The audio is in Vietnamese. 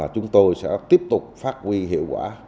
chúng tôi sẽ tiếp tục phát huy hiệu quả